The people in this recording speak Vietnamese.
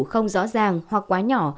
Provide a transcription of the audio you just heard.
không rõ ràng hoặc quá nhỏ